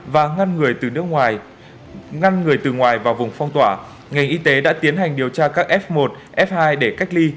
và ngăn người từ ngoài vào vùng phong tỏa ngành y tế đã tiến hành điều tra các f một f hai để cách ly